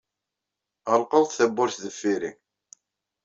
Ɣelqeɣ-d tawwurt deffir-i.